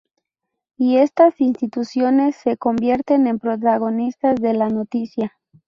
Y estas instituciones se convierten en protagonistas de la noticia.